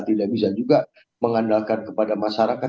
tidak bisa juga mengandalkan kepada masyarakat